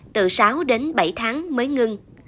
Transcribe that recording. từ sáu đến bảy tháng mới ngưng